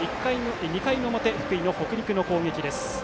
２回の表、福井の北陸の攻撃です。